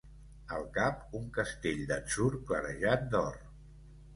Al cap, un castell d'atzur clarejat d'or.